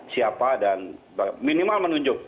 siapa dan minimal menunjuk